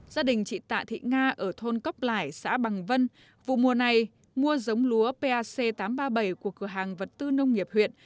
gia đình chị tạ thị nga ở thôn cốc lải xã bằng vân vụ mùa này mua giống lúa pac tám trăm ba mươi bảy của cửa hàng vật tư nông nghiệp huyện